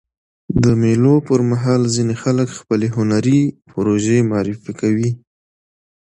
د مېلو پر مهال ځيني خلک خپلي هنري پروژې معرفي کوي.